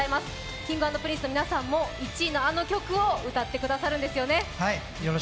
Ｋｉｎｇ＆Ｐｒｉｎｃｅの皆さんも１位のあの曲を歌ってくださるんですよね？